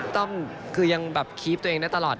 ต้อมคือยังแบบคีฟตัวเองได้ตลอด